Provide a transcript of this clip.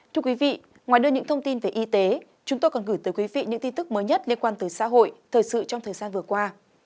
thưa quý vị ngoài đưa những thông tin về y tế chúng tôi còn gửi tới quý vị những tin tức mới nhất liên quan tới xã hội thời sự trong thời gian vừa qua